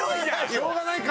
しょうがないか。